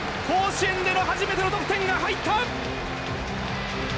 甲子園での初めての得点が入った！